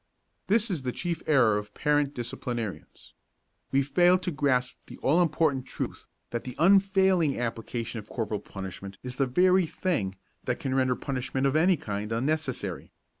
This is the chief error of parent disciplinarians. We fail to grasp the all important truth that the unfailing application of corporal punishment is the very thing that can render punishment of any kind unnecessary.